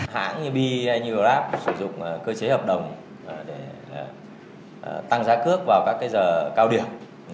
hãng như be như grab cũng sử dụng cơ chế hợp đồng để tăng giá cước vào các giờ cao điểm